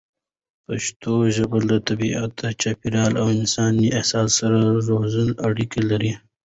پښتو ژبه له طبیعت، چاپېریال او انساني احساساتو سره ژوره اړیکه لري.